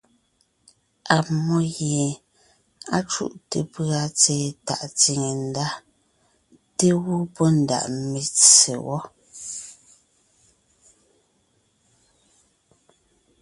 Ammó gie á cúte pʉ̀a tsɛ̀ɛ tàʼ tsìne ndá te gẅɔ́ pɔ́ ndaʼ metse wɔ́.